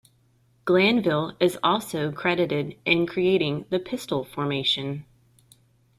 Glanville is also credited in creating the Pistol formation.